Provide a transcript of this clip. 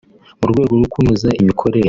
mu rwego rwo kunoza imikorere